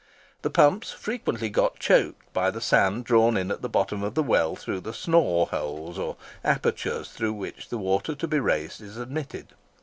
The pumps frequently got choked by the sand drawn in at the bottom of the well through the snore holes, or apertures through which the water to be raised is admitted.